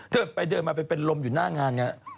เดินไปเดินมาไปเป็นลมอยู่หน้างานไง